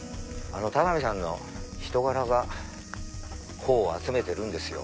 田上さんの人柄が帆を集めてるんですよ。